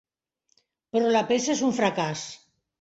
Però la peça és un fracàs.